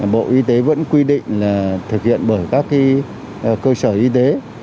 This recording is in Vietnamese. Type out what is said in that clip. bộ y tế vẫn quy định là thực hiện bởi các cơ sở y tế